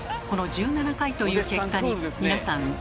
この１７回という結果に皆さん